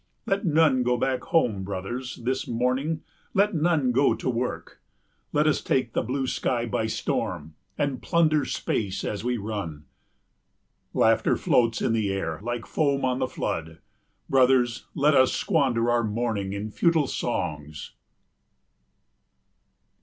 Let none go back home, brothers, this morning, let none go to work. Let us take the blue sky by storm and plunder space as we run. Laughter floats in the air like foam on the flood. Brothers, let us squander our morning in futile songs.